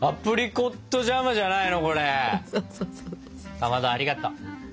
かまどありがとう。